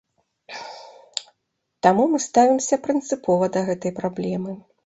Таму мы ставімся прынцыпова да гэтай праблемы.